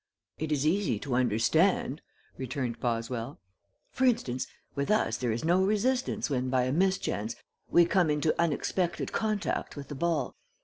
"It is easy to understand," returned Boswell. "For instance, with us there is no resistance when by a mischance we come into unexpected contact with the ball.